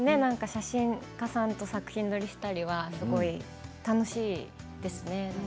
写真家さんと作品撮りしたりは楽しいですね。